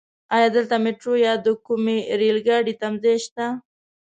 ايا دلته ميټرو يا د کومې رايل ګاډی تمځای شته؟